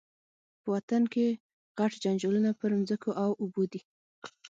په وطن کي غټ جنجالونه پر مځکو او اوبو دي